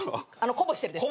こぼしてるです。